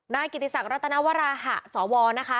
นายกิติศักดิรัตนวราหะสวนะคะ